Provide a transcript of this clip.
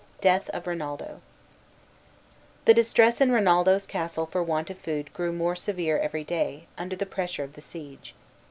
DEATH OF RINALDO THE distress in Rinaldo's castle for want of food grew more severe every day, under the pressure of the siege.